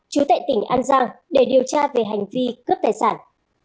chú tại tỉnh an giang để điều tra về hành vi cướp tài sản